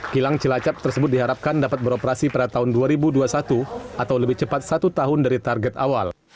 kilang cilacap tersebut diharapkan dapat beroperasi pada tahun dua ribu dua puluh satu atau lebih cepat satu tahun dari target awal